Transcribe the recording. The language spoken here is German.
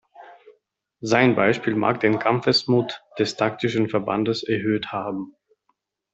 Sein Beispiel mag den Kampfesmut des taktischen Verbandes erhöht haben.